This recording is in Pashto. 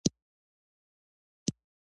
بلې وسيلې تر دې وړاندې ناهيلی کړی و.